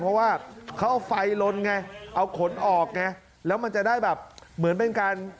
เพราะว่าเขาเอาไฟลนไงเอาขนออกไงแล้วมันจะได้แบบเหมือนเป็นการ